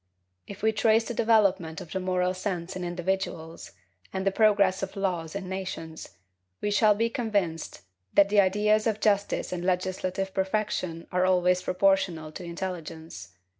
If we trace the development of the moral sense in individuals, and the progress of laws in nations, we shall be convinced that the ideas of justice and legislative perfection are always proportional to intelligence.